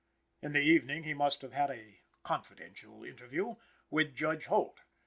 In the evening, he must have had a "confidential interview" with Judge Holt.